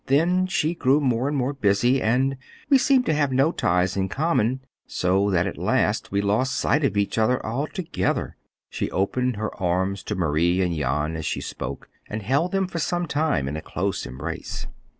Then she grew more and more busy, and we seemed to have no ties in common, so that at last we lost sight of each other altogether." She opened her arms to Marie and Jan as she spoke, and held them for some time in a close embrace.